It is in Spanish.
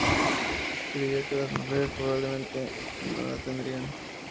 Creía que las mujeres probablemente no la tendrían.